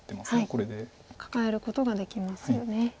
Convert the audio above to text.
これで。カカえることができますよね。